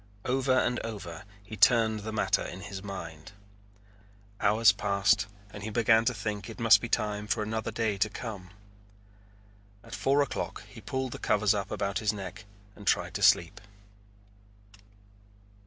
Over and over he turned the matter in his mind. Hours passed and he began to think it must be time for another day to come. At four o'clock he pulled the covers up about his neck and tried to sleep.